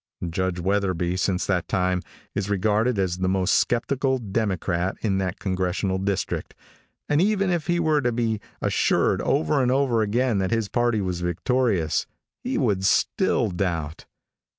Judge Wetherby, since that time, is regarded as the most skeptical Democrat in that congressional district, and even if he were to be assured over and over again that his party was victorious, he would still doubt.